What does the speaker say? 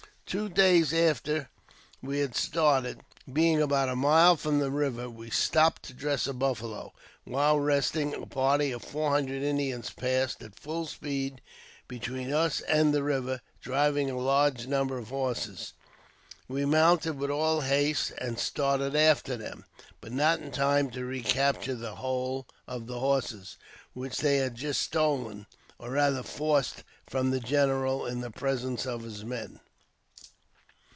Two days after we had started, being about a mile from the river, we stopped to dress a buffalo. While resting, a party of four hundred Indians passed at full speed between us and the river, driving a large number of horses. We mounted with all haste and started after them, but not in time to recapture the whole of the horses, which they had just stolen, or, rather, forced from the general in the presence of his men.